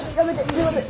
すいません！